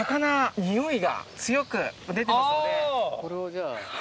これをじゃあ。